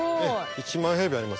１万平米ありますね。